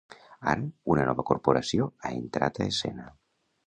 Ara, una nova corporació ha entrat a escena.